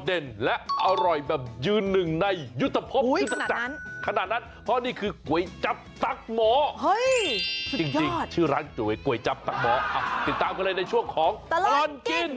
ติดตามกันเลยในช่วงของตลอดกิน